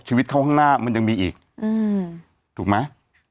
ชีวิตเข้าข้างหน้ามันยังมีอีกถูกไหม